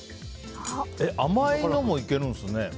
甘いのもいけるんですね。